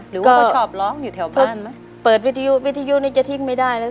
หรือว่าเขาชอบร้องอยู่แถวบ้านไหมก็เปิดนี้ก็ทิ้งไม่ได้แล้ว